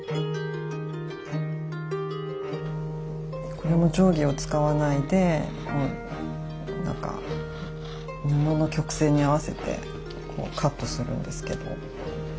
これも定規を使わないでこうなんか布の曲線に合わせてこうカットするんですけど。